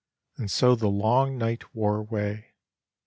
And so the long night wore away.